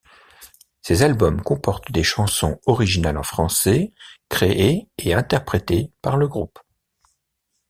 Ces albums comportent des chansons originales en français créées et interprétées par le groupe.